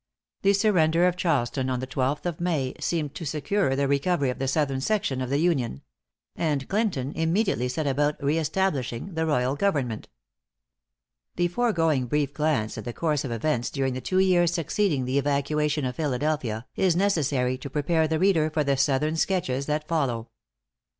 The surrender of Charleston on the twelfth of May, seemed to secure the recovery of the southern section of the Union; and Clinton immediately set about re establishing the royal government. The foregoing brief glance at the course of events during the two years succeeding the evacuation of Philadelphia, is necessary to prepare the reader for the southern sketches that follow.